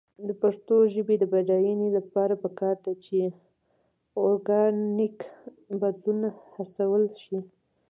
د پښتو ژبې د بډاینې لپاره پکار ده چې اورګانیک بدلون هڅول شي.